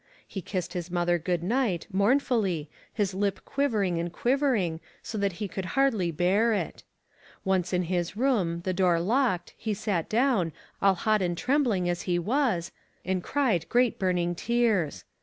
He kissed his mother good night, mournfully, his lip quivering and quivering, so that he could hardly bear it. Once in his room, the door locked, he sat down, all hot and trembling as he was, and cried great burn ing tears.